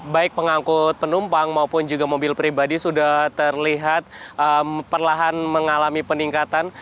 baik pengangkut penumpang maupun juga mobil pribadi sudah terlihat perlahan mengalami peningkatan